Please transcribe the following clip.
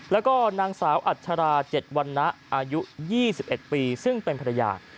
แล้วก็นางสาวอัชรา๗วันนะอายุ๒๑ปีซึ่งเป็นภรรยา